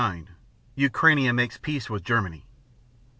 9 Ukrainia makes peace with Germany.